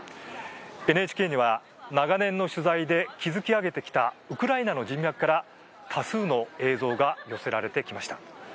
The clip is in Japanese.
ＮＨＫには長年の取材で築き上げてきたウクライナの人脈から多数の映像が寄せられてきました。